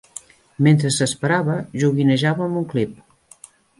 Mentre s'esperava joguinejava amb un clip.